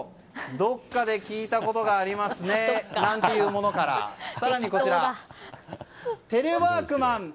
どっかで聞いたことがありますねなんていうものからテレワークマン。